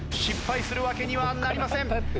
失敗するわけにはなりません。